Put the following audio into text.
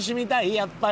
やっぱり。